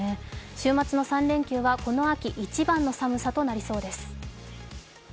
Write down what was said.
週末の３連休はこの秋一番の寒さとなりそうです。